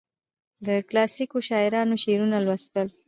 د کلاسیکو شاعرانو شعرونه لوستل.